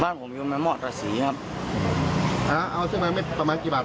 บ้านผมอยู่ในหม้อตรศรีครับแล้วเอาเสื้อมาเม็ดประมาณกี่บาท